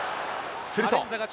すると。